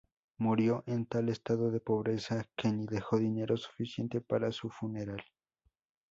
Murió en tal estado de pobreza que ni dejó dinero suficiente para su funeral.